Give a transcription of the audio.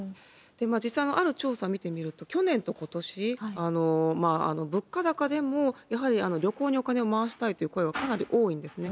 実際、ある調査見てみると、去年とことし、物価高でも、やはり旅行にお金を回したいという声はかなり多いんですね。